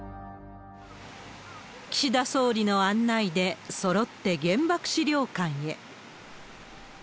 岸田総理の案内で、そろって原爆資料館へ。